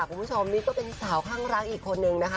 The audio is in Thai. คุณผู้ชมนี่ก็เป็นสาวข้างรักอีกคนนึงนะคะ